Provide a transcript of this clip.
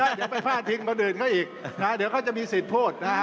อย่าไปฝ้าทิ้งคนอื่นก็อีกเดี๋ยวเขาจะมีสิทธิ์พูด